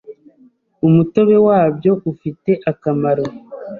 Umutobe wabyo ufite akamaro